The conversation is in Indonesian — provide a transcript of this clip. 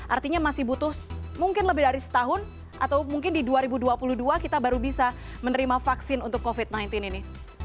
artinya masih butuh mungkin lebih dari setahun atau mungkin di dua ribu dua puluh dua kita baru bisa menerima vaksin untuk covid sembilan belas ini